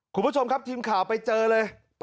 คุณผู้ชมครับทีมข่าวไปเจอเลย